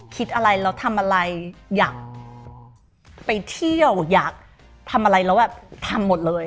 คิดอะไรแล้วทำอะไรอยากไปเที่ยวอยากทำอะไรแล้วแบบทำหมดเลย